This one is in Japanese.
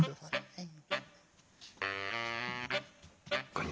はい。